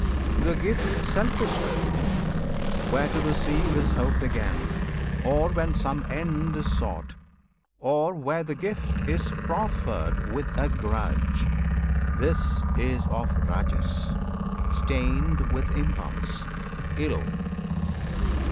The gift selfishly given, where to receive Is hoped again, or when some end is sought, Or where the gift is proffered with a grudge, This is of Rajas, stained with impulse, ill.